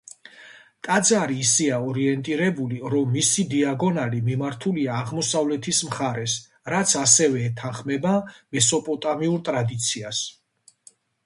ტაძარი ისეა ორიენტირებული, რომ მისი დიაგონალი მიმართულია აღმოსავლეთის მხარეს, რაც ასევე ეთანხმება მესოპოტამიურ ტრადიციას.